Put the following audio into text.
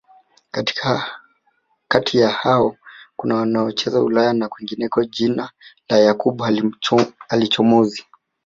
Kati ya hao kuna wanaocheza Ulaya na kwingineko Jina la Yakub halichomozi